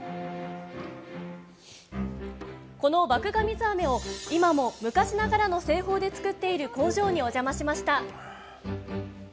この麦芽水あめを今も、昔ながらの製法で作っている工場にお邪魔しました。